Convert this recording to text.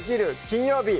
金曜日」